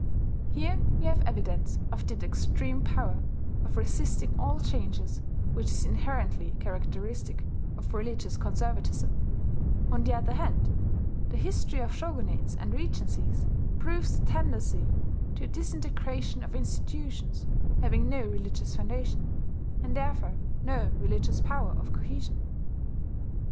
Here we have evidence of that extreme power of resisting all changes which is inherently characteristic of religious conservatism; on the other hand, the history of shogunates and regencies proves the tendency to disintegration of institutions having no religious foundation, and therefore no religious power of cohesion.